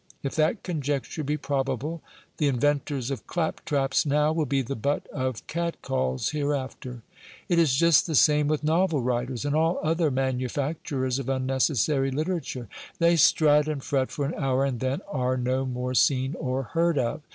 If that conjecture be probable, the inventors of clap traps now will be the butt of cat calls hereafter. It is just the same with novel writers, and all other manufac turers of unnecessary literature : they strut and fret for an hour, and then are no more seen or heard of.